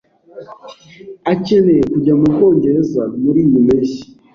Akeneye kujya mu Bwongereza muriyi mpeshyi.